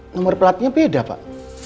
nomor pelatnya beda pak